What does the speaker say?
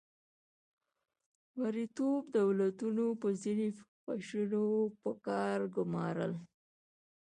مرئیتوب دولتونو به ځینې قشرونه په کار ګمارل.